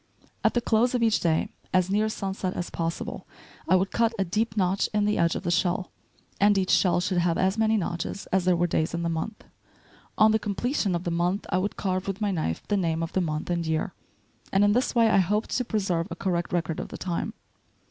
At the close of each day, as near sunset as possible, I would cut a deep notch in the edge of the shell, and each shell should have as many notches as there were days in the month. On the completion of the month I would carve with my knife the name of the month and year; and in this way I hoped to preserve a correct record of the time.